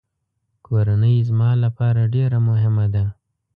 کورنۍ زما لپاره ډېره مهمه ده.